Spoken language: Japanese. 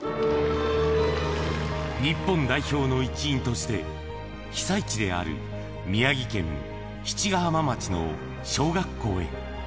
日本代表の一員として、被災地である宮城県七ヶ浜町の小学校へ。